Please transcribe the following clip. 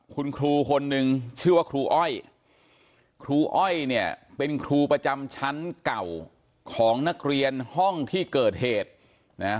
คุณครูคนนึงชื่อว่าครูอ้อยครูอ้อยเนี่ยเป็นครูประจำชั้นเก่าของนักเรียนห้องที่เกิดเหตุนะฮะ